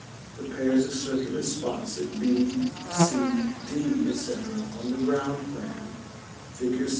The pairs of circular spots at b, c, d, etc., on the ground plan fig.